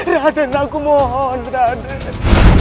raden aku mohon raden